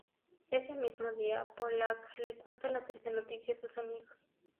Ese mismo día, Pollak le cuenta la triste noticia a sus amigos.